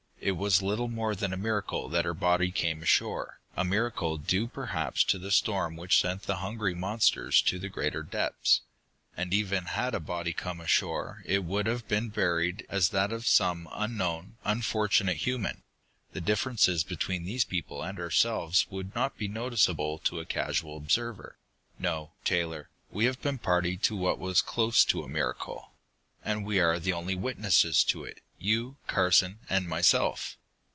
It was little more than a miracle that her body came ashore, a miracle due perhaps to the storm which sent the hungry monsters to the greater depths. And even had a body come ashore it would have been buried as that of some unknown, unfortunate human. The differences between these people and ourselves would not be noticeable to a casual observer. "No, Taylor, we have been party to what was close to a miracle. And we are the only witnesses to it, you and Carson and myself.